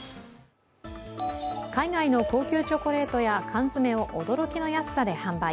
海外の高級チョコレートや缶詰を驚きの安さで販売。